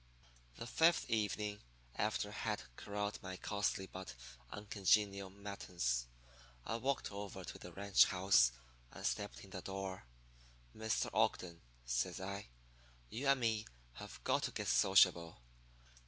"The fifth evening, after I had corralled my costly but uncongenial muttons, I walked over to the ranch house and stepped in the door. "'Mr. Ogden,' says I, 'you and me have got to get sociable.